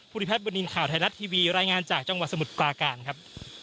ริพัฒนบุญนินทร์ข่าวไทยรัฐทีวีรายงานจากจังหวัดสมุทรปลาการครับ